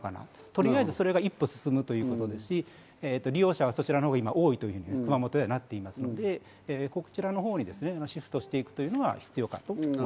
とりあえず一歩進むということで利用者はそちらのほうが多いということになっていますので、こちらのほうにシフトしていくというのは必要かなと思います。